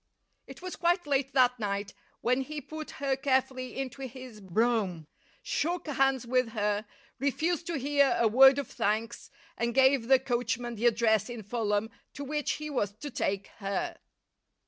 It was quite late that night when he put her carefully into his brougham, shook hands with her, refused to hear a word of thanks, and gave the coachman the address in Fulham to which he was to take her.